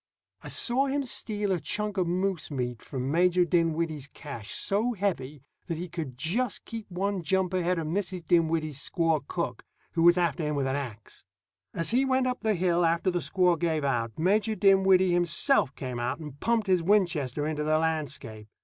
I saw him steal a chunk of moose meat from Major Dinwiddie's cache so heavy that he could just keep one jump ahead of Mrs. Dinwiddie's squaw cook, who was after him with an ax. As he went up the hill, after the squaw gave out, Major Dinwiddie himself came out and pumped his Winchester into the landscape.